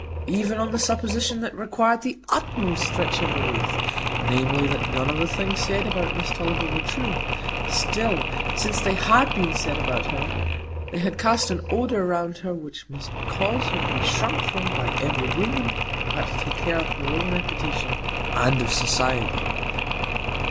Even on the supposition that required the utmost stretch of belief,—namely, that none of the things said about Miss Tulliver were true,—still, since they had been said about her, they had cast an odor round her which must cause her to be shrunk from by every woman who had to take care of her own reputation—and of Society.